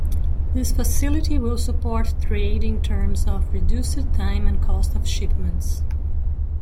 This facility will support trade in terms of reduced time and cost of shipments.